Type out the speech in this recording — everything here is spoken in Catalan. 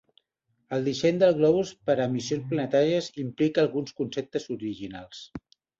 El disseny de globus per a missions planetàries implica alguns conceptes originals.